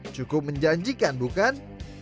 cukup menjanjikan bukan